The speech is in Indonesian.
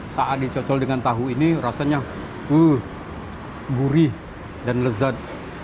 saat dicocol dengan tahu ini rasanya gurih dan lezat